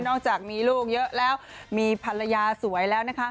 อกจากมีลูกเยอะแล้วมีภรรยาสวยแล้วนะคะ